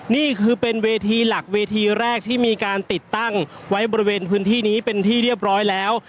นี่คือเป็นเวทีหลักเวทีแรกที่มีการติดตั้งไว้บริเวณพื้นที่นี้เป็นที่เรียบร้อยแล้ว